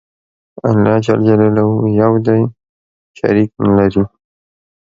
الله ج یو دی شریک نه لری